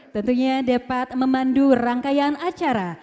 tentunya dapat memandu rangkaian acara